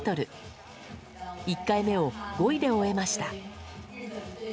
１回目を５位で終えました。